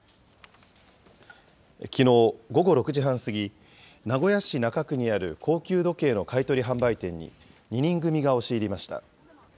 きのう午後６時半過ぎ、名古屋市中区にある高級時計の買い取り販売店に２人組が押し入りました。